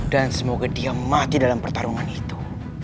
dan semoga dia mati dalam pertarungan itu